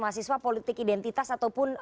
mahasiswa politik identitas ataupun